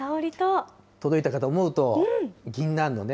届いたかと思うと、ぎんなんのね。